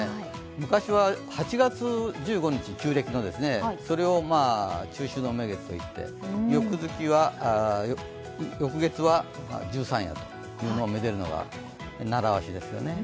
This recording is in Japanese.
昔は旧暦の８月１５日を中秋の名月といって翌月は十三夜をめでるのが習わしですよね。